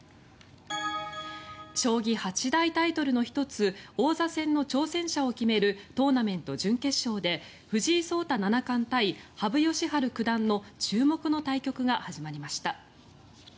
将棋八大タイトルの１つ王座戦の挑戦者を決めるトーナメント準決勝で藤井聡太七冠対羽生善治九段の注目の対局が始まりました。